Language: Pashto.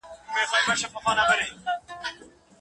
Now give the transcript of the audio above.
دا د لیکنې د اعتبار لپاره ضروري دی.